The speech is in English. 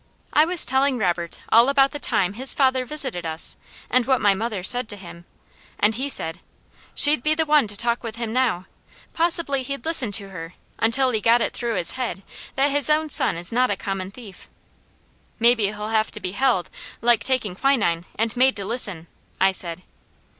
I was telling Robert all about the time his father visited us, and what my mother said to him, and he said: "She'd be the one to talk with him now. Possibly he'd listen to her, until he got it through his head that his own son is not a common thief." "Maybe he'll have to be held, like taking quinine, and made to listen," I said.